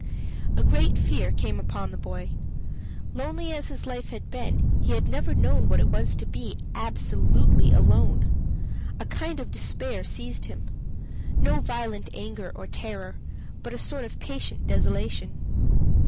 A great fear came upon the poor boy. Lonely as his life had been, he had never known what it was to be absolutely alone. A kind of despair seized him no violent anger or terror, but a sort of patient desolation.